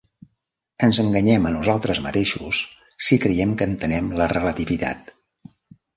Ens enganyem a nosaltres mateixos si creiem que entenem la relativitat.